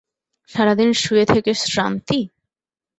সারাদিন শুয়ে থেকে শ্রান্তি!